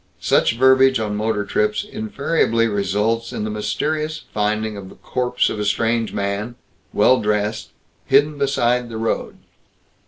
Such verbiage on motor trips invariably results in the mysterious finding of the corpse of a strange man, well dressed, hidden beside the road.